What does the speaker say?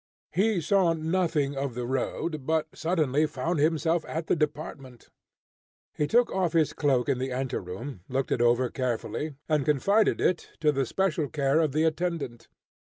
He saw nothing of the road, but suddenly found himself at the department. He took off his cloak in the ante room, looked it over carefully, and confided it to the special care of the attendant.